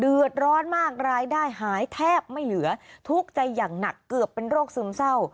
เดือดร้อนมากรายได้หายแทบไม่เหลือทุกข์ใจอย่างหนักเกือบเป็นโรคซึมเศร้า